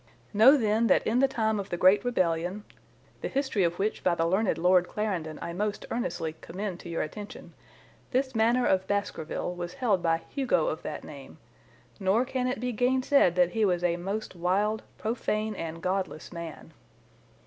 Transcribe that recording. "Know then that in the time of the Great Rebellion (the history of which by the learned Lord Clarendon I most earnestly commend to your attention) this Manor of Baskerville was held by Hugo of that name, nor can it be gainsaid that he was a most wild, profane, and godless man.